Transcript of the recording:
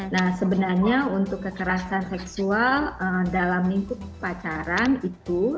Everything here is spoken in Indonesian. nah sebenarnya untuk kekerasan seksual dalam lingkup pacaran itu